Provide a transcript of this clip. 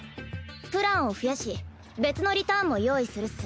プランを増やし別のリターンも用意するっス。